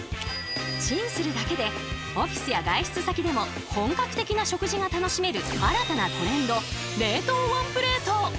チンするだけでオフィスや外出先でも本格的な食事が楽しめる新たなトレンド冷凍ワンプレート！